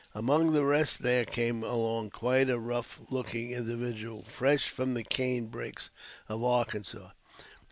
Among the rest there came along quite a rough looking individual fresh from the cane brakes of Arkansas.